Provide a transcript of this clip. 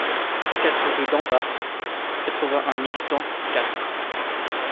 quatre rue d'Empare, quatre-vingt-un mille cent Castres